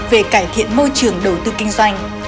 về cải thiện môi trường đầu tư kinh doanh